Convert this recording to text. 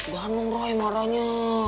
jangan dong rai marahnya